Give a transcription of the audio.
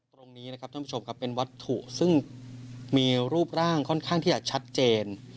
ตรงนี้นะครับท่านผู้ชมครับเป็นวัตถุซึ่งมีรูปร่างค่อนข้างที่จะชัดเจน